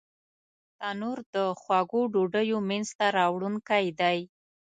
تنور د خوږو ډوډیو مینځ ته راوړونکی دی